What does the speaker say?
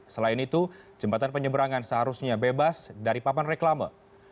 selain itu jembatan penyeberangan seharusnya bebas dari papan reklama